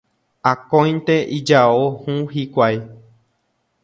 Akóinte ijao hũ hikuái